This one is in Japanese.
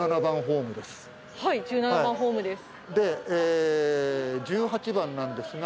はい１７番ホームです。